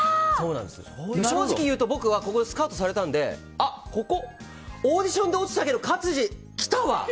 正直言うと僕はスカウトされたのでオーディションで落ちたけど勝地、きたわ！